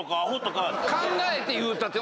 考えて言うたって。